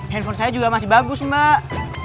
handphone saya juga masih bagus mbak